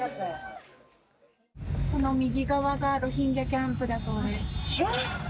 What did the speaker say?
この右側がロヒンギャキャンプだそうです。